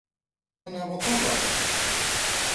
أنا مطلقة.